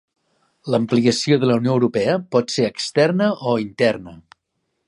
L'ampliació de la Unió Europea pot ser externa o interna.